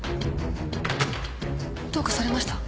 どうかされました？